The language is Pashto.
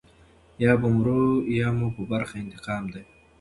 یا به مرو یا مو په برخه انتقام دی.